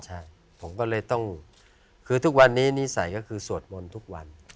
ใช่ผมก็เลยต้องคือทุกวันนี้นิสัยก็คือสวดมนต์ทุกวัน